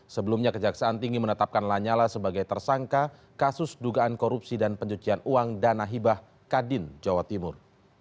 sebelumnya kejaksaan tinggi menetapkan lanyala sebagai tersangka kasus dugaan korupsi dan pencucian uang dana hibah kadin jawa timur